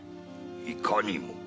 いかにも。